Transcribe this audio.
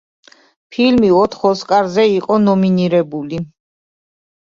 ფილმი ოთხ ოსკარზე იყო ნომინირებული.